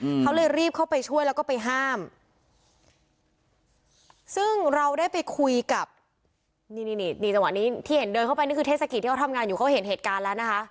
เขาเลยรีบเข้าไปช่วยแล้วก็ไปห้ามซึ่งเราได้ไปคุยกับนี่นี่จังหวะนี้ที่เห็นเดินเข้าไปนี่คือเทศกิจที่เขาทำงานอยู่เขาเห็นเหตุการณ์แล้วนะคะ